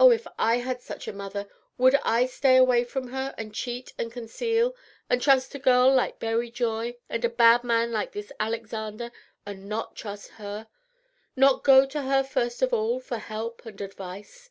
Oh, if I had such a mother, would I stay away from her, and cheat and conceal, and trust a girl like Berry Joy, and a bad man like this Alexander, and not trust her? not go to her first of all for help and advice?